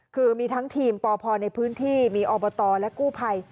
คือมีทั้งทีมปพในพื้นที่มีอบตและกู้ภัย